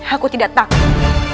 aku tidak takut